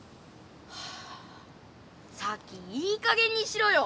ハァサキいいかげんにしろよ！